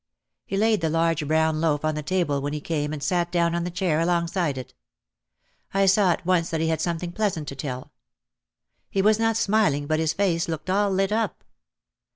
He laid the large brown loaf on the table when he came and sat down on the chair alongside of it. I saw at once that he had something pleasant to tell. He was not smiling but his face looked all lit up.